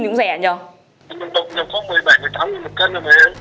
mình tổng nhập khoảng một mươi bảy một mươi tám một cân thôi mà ấy